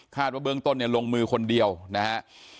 คาดว่าเบื้องต้นลงมือคนเดียวนะฮะ